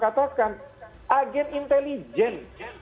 katakan agen intelijen